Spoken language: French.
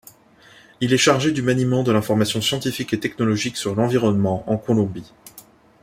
Il est chargé du maniement de l'information scientifique et technologique sur l'environnement en Colombie.